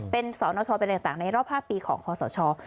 เป็นสนชเป็นอะไรต่างในรอบ๕ปีของคอสช